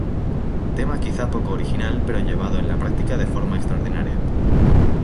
Tema quizá poco original, pero llevado a la práctica de forma extraordinaria.